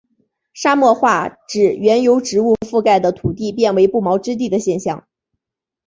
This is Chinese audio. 沙漠化指原由植物覆盖的土地变成不毛之地的现象。